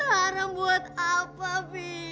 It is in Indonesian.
duit haram buat apa bi